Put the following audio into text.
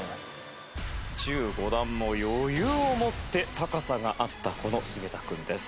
１５段も余裕を持って高さがあったこの菅田君です。